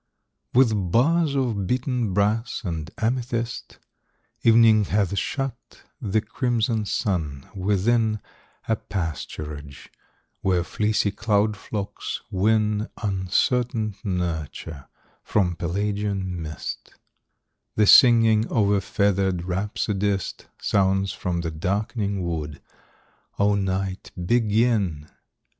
With bars of beaten brass and amethyst, Evening hath shut the crimson sun within A pasturage, where fleecy cloud flocks win Uncertain nurture from pelagian mist, The singing of a feathered rhapsodist Sounds from the darkening wood: O Night begin!